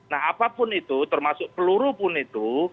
nah apapun itu termasuk peluru pun itu